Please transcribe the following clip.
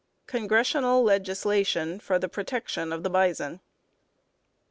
CONGRESSIONAL LEGISLATION FOR THE PROTECTION OF THE BISON.